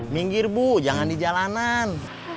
minggir bu jangan di jalanan